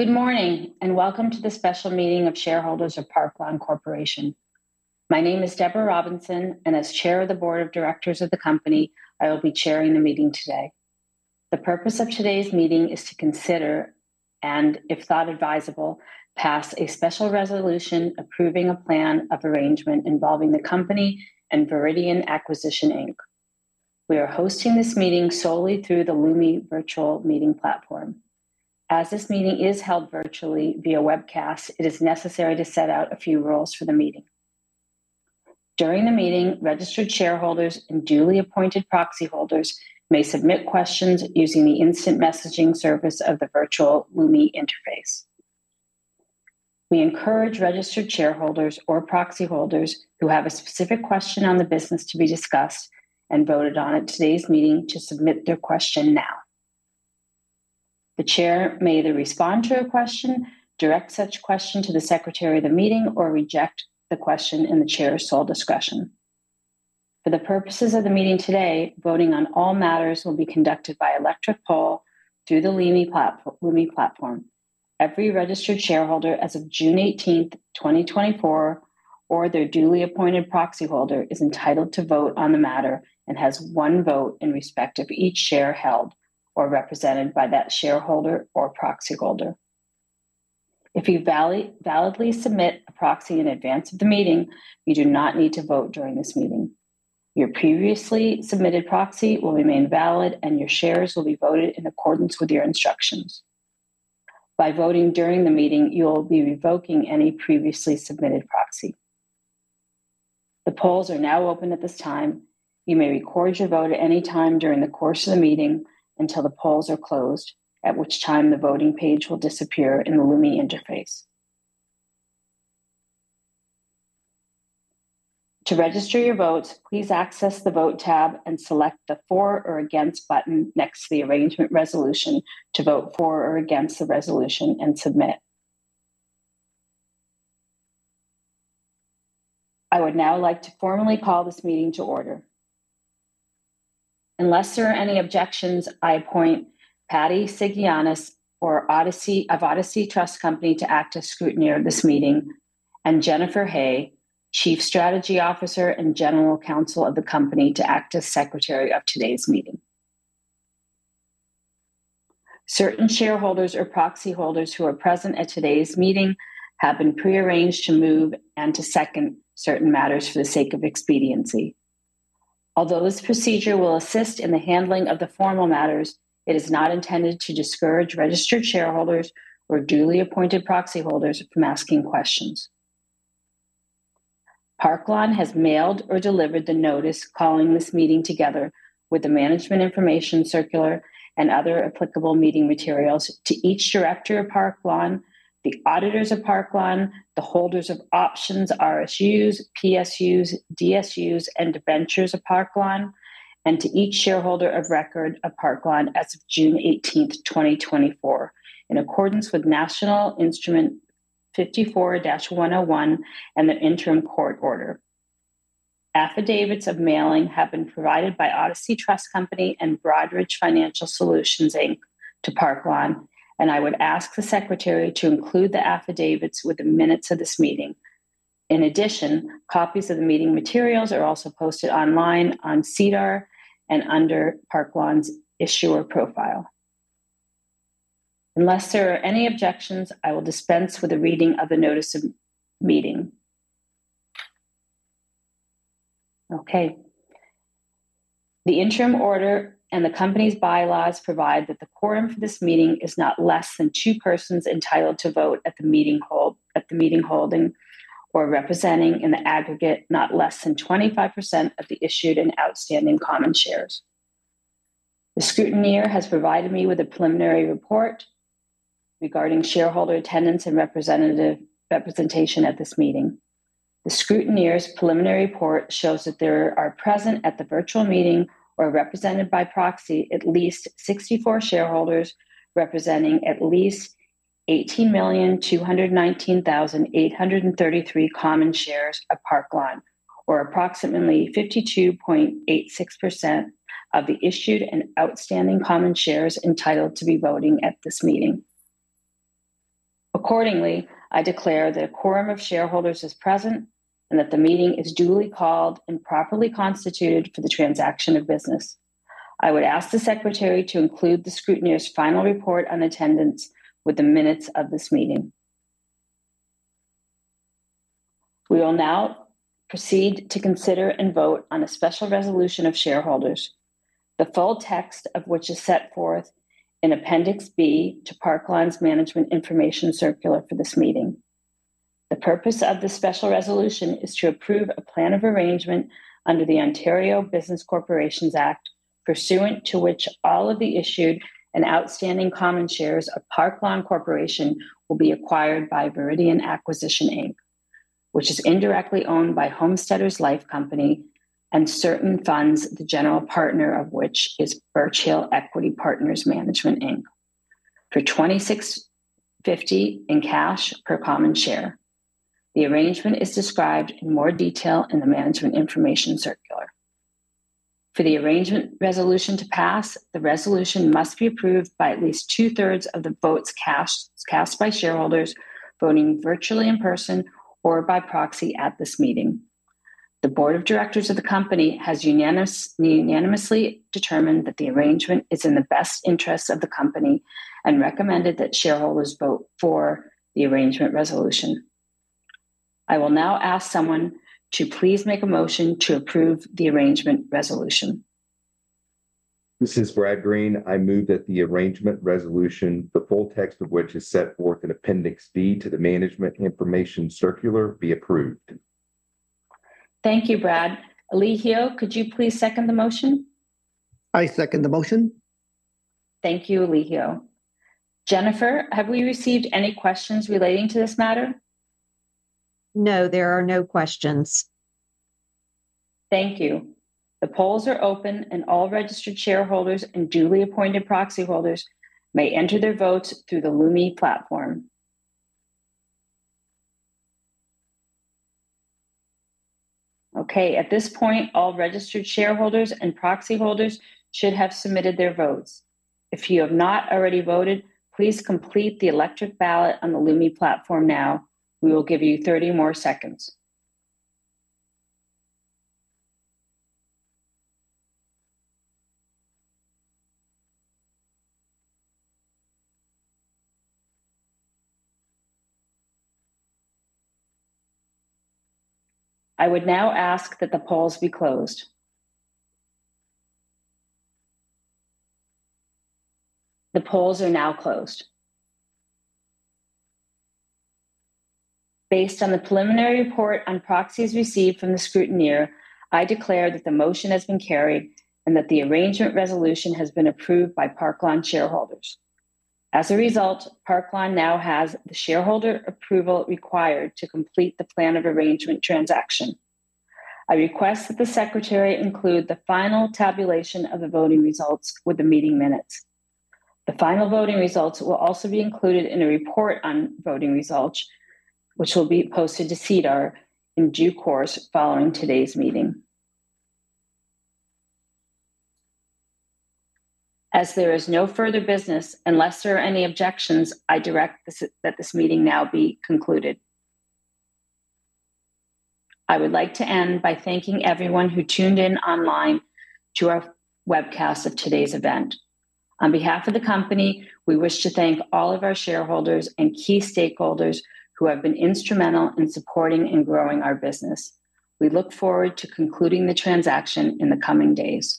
Good morning, and welcome to the special meeting of shareholders of Park Lawn Corporation. My name is Deborah Robinson, and as chair of the board of directors of the company, I will be chairing the meeting today. The purpose of today's meeting is to consider and, if thought advisable, pass a special resolution approving a plan of arrangement involving the company and Viridian Acquisition Inc. We are hosting this meeting solely through the Lumi virtual meeting platform. As this meeting is held virtually via webcast, it is necessary to set out a few rules for the meeting. During the meeting, registered shareholders and duly appointed proxy holders may submit questions using the instant messaging service of the virtual Lumi interface. We encourage registered shareholders or proxy holders who have a specific question on the business to be discussed and voted on at today's meeting to submit their question now. The chair may either respond to a question, direct such question to the secretary of the meeting, or reject the question in the chair's sole discretion. For the purposes of the meeting today, voting on all matters will be conducted by electronic poll through the Lumi platform. Every registered shareholder as of June 18, 2024, or their duly appointed proxy holder, is entitled to vote on the matter and has one vote in respect of each share held or represented by that shareholder or proxy holder. If you validly submit a proxy in advance of the meeting, you do not need to vote during this meeting. Your previously submitted proxy will remain valid, and your shares will be voted in accordance with your instructions. By voting during the meeting, you will be revoking any previously submitted proxy. The polls are now open at this time. You may record your vote at any time during the course of the meeting until the polls are closed, at which time the voting page will disappear in the Lumi interface. To register your vote, please access the Vote tab and select the For or Against button next to the Arrangement Resolution to vote for or against the resolution, and submit. I would now like to formally call this meeting to order. Unless there are any objections, I appoint Patty Tsigiannis for Odyssey, of Odyssey Trust Company, to act as scrutineer of this meeting, and Jennifer Hay, Chief Strategy Officer and General Counsel of the company, to act as Secretary of today's meeting. Certain shareholders or proxy holders who are present at today's meeting have been pre-arranged to move and to second certain matters for the sake of expediency. Although this procedure will assist in the handling of the formal matters, it is not intended to discourage registered shareholders or duly appointed proxy holders from asking questions. Park Lawn has mailed or delivered the notice calling this meeting together with the Management Information circular and other applicable meeting materials to each director of Park Lawn, the auditors of Park Lawn, the holders of options, RSUs, PSUs, DSUs, and warrants of Park Lawn, and to each shareholder of record of Parklawn as of June eighteenth, 2024, in accordance with National Instrument 54-101 and the interim court order. Affidavits of mailing have been provided by Odyssey Trust Company and Broadridge Financial Solutions Inc. to Park Lawn, and I would ask the secretary to include the affidavits with the minutes of this meeting. In addition, copies of the meeting materials are also posted online on SEDAR and under Park Lawn's issuer profile. Unless there are any objections, I will dispense with the reading of the notice of meeting. Okay. The interim order and the company's bylaws provide that the quorum for this meeting is not less than two persons entitled to vote at the meeting hold, at the meeting holding or representing in the aggregate not less than 25% of the issued and outstanding common shares. The scrutineer has provided me with a preliminary report regarding shareholder attendance and representative, representation at this meeting. The scrutineer's preliminary report shows that there are present at the virtual meeting or represented by proxy at least 64 shareholders, representing at least 18,219,833 common shares of Parklawn, or approximately 52.86% of the issued and outstanding common shares entitled to be voting at this meeting. Accordingly, I declare that a quorum of shareholders is present and that the meeting is duly called and properly constituted for the transaction of business. I would ask the secretary to include the scrutineer's final report on attendance with the minutes of this meeting. We will now proceed to consider and vote on a special resolution of shareholders, the full text of which is set forth in Appendix B to Parklawn's Management Information Circular for this meeting. The purpose of the special resolution is to approve a plan of arrangement under the Ontario Business Corporations Act, pursuant to which all of the issued and outstanding common shares of Parklawn Corporation will be acquired by Viridian Acquisition Inc, which is indirectly owned by Homesteaders Life Company and certain funds, the general partner of which is Birch Hill Equity Partners Management Inc. For 26.50 in cash per common share. The arrangement is described in more detail in the Management Information Circular. For the arrangement resolution to pass, the resolution must be approved by at least two-thirds of the votes cast, cast by shareholders voting virtually in person or by proxy at this meeting. The board of directors of the company has unanimously, unanimously determined that the arrangement is in the best interest of the company and recommended that shareholders vote for the arrangement resolution. I will now ask someone to please make a motion to approve the arrangement resolution. This is Brad Green. I move that the Arrangement Resolution, the full text of which is set forth in Appendix D to the Management Information Circular, be approved. Thank you, Brad. Elijio, could you please second the motion? I second the motion. Thank you, Elijio. Jennifer, have we received any questions relating to this matter? No, there are no questions. Thank you. The polls are open, and all registered shareholders and duly appointed proxy holders may enter their votes through the Lumi platform. Okay, at this point, all registered shareholders and proxy holders should have submitted their votes. If you have not already voted, please complete the electronic ballot on the Lumi platform now. We will give you 30 more seconds. I would now ask that the polls be closed. The polls are now closed. Based on the preliminary report on proxies received from the scrutineer, I declare that the motion has been carried and that the arrangement resolution has been approved by Park Lawn shareholders. As a result, Park Lawn now has the shareholder approval required to complete the plan of arrangement transaction. I request that the secretary include the final tabulation of the voting results with the meeting minutes. The final voting results will also be included in a report on voting results, which will be posted to SEDAR in due course following today's meeting. As there is no further business, unless there are any objections, I direct this, that this meeting now be concluded. I would like to end by thanking everyone who tuned in online to our webcast of today's event. On behalf of the company, we wish to thank all of our shareholders and key stakeholders who have been instrumental in supporting and growing our business. We look forward to concluding the transaction in the coming days.